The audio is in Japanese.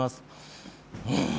うん。